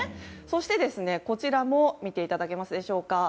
そして、こちらも見ていただけますでしょうか。